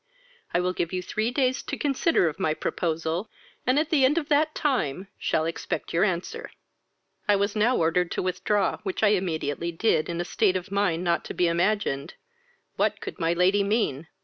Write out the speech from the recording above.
I will give you three days to consider of my proposal, and at the end of that time shall expect your answer." "I was now ordered to withdraw, which I immediately did, in a state of mind not to be imagined. What could my lady mean?